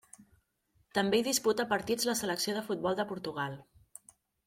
També hi disputa partits la selecció de futbol de Portugal.